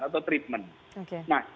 atau treatment nah